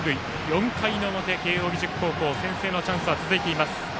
４回の表、慶応義塾高校先制のチャンスは続いています。